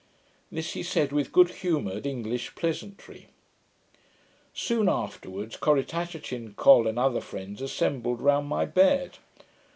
This he said with good humoured English pleasantry. Soon afterwards, Corrichatachin, Col, and other friends assembled round my bed.